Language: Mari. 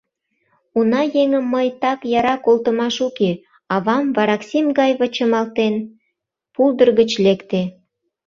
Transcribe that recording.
Уна еҥым мый так яра колтымаш уке! — авам, вараксим гай вычымалтен, пулдыр гыч лекте.